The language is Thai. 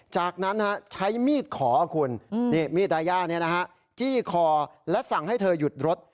จากนั้นใช้มีดขอคุณมีดดายาจี้คอและสั่งให้เธอหยุดรถ